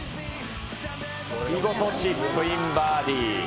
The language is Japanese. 見事チップインバーディー。